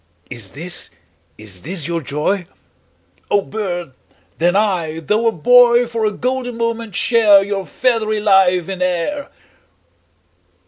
'Is this, is this your joy? O bird, then I, though a boy 10 For a golden moment share Your feathery life in air!